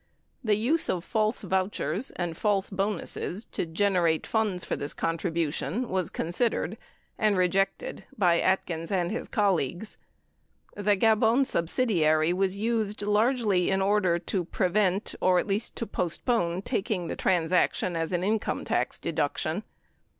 The use of false vouchers and false bonuses to generate funds for the contribution was considered and rejected by Atkins and his colleagues. 33 The Gabon subsidiary was used largely in order to prevent — or at least postpone — taking the transaction as an income tax deduction.